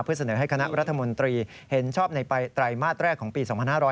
เพื่อเสนอให้คณะรัฐมนตรีเห็นชอบในไตรมาสแรกของปี๒๕๕๙